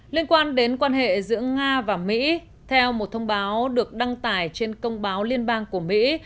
liên quan đến quan hệ giữa nga và mỹ theo một thông báo được đăng tải trên công báo liên bang của mỹ